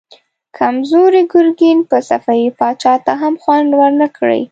کمزوری ګرګين به صفوي پاچا ته هم خوند ورنه کړي.